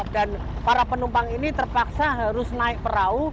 dan para penumpang ini terpaksa harus naik perahu